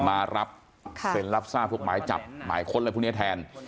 มารับเซ็นรับทราบหลวงหลายข้อคนแทน